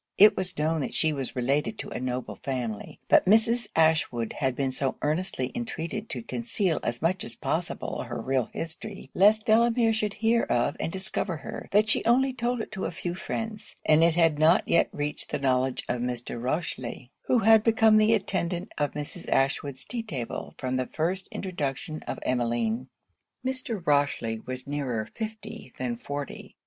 It was known that she was related to a noble family; but Mrs. Ashwood had been so earnestly entreated to conceal as much as possible her real history, lest Delamere should hear of and discover her, that she only told it to a few friends, and it had not yet reached the knowledge of Mr. Rochely, who had become the attendant of Mrs. Ashwood's tea table from the first introduction of Emmeline. Mr. Rochely was nearer fifty than forty.